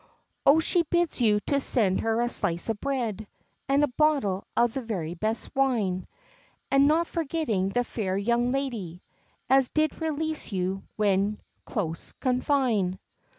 "O she bids you to send her a slice of bread, And a bottle of the very best wine, And not forgetting the fair young lady As did release you when close confine."